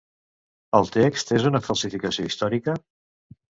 El text és una falsificació històrica?